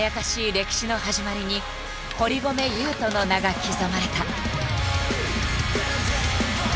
歴史の始まりに堀米雄斗の名が刻まれた。